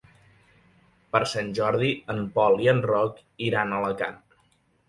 Per Sant Jordi en Pol i en Roc iran a Alacant.